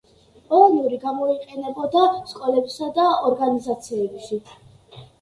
პოლონური გამოიყენებოდა სკოლებსა და ორგანიზაციებში.